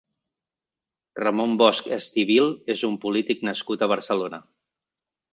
Ramon Bosch Estivil és un polític nascut a Barcelona.